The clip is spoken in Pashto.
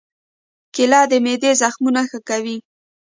کېله د معدې زخمونه ښه کوي.